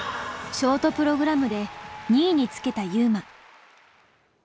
ショートプログラムで２位につけた優真。